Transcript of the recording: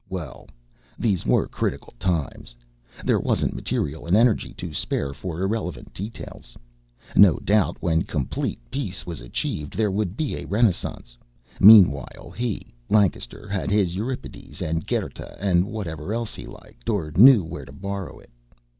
Well, these were critical times. There wasn't material and energy to spare for irrelevant details. No doubt when complete peace was achieved there would be a renaissance. Meanwhile he, Lancaster, had his Euripides and Goethe and whatever else he liked, or knew where to borrow it.